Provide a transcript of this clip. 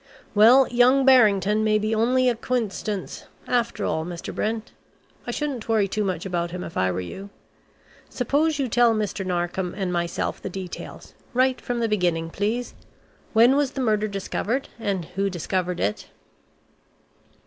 Well, young Barrington may be only a coincidence after all, Mr. Brent. I shouldn't worry too much about him if I were you. Suppose you tell Mr. Narkom and myself the details, right from the beginning, please? When was the murder discovered and who discovered it?"